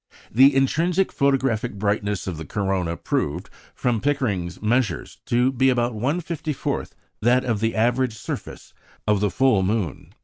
The intrinsic photographic brightness of the corona proved, from Pickering's measures, to be about 1/54 that of the average surface of the full moon.